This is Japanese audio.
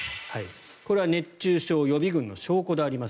これは熱中症予備軍の証拠であります。